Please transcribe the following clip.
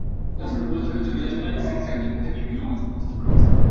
তাঁরা সেখান থেকে একটি বিক্ষোভ মিছিল করে পুরো ক্যাম্পাস প্রদক্ষিণ করেন।